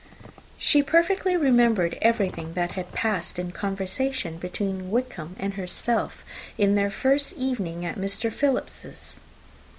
She perfectly remembered everything that had passed in conversation between Wickham and herself in their first evening at Mr. Philips's.